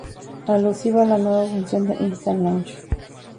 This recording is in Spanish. Alusivo a la nueva función de "instant launch".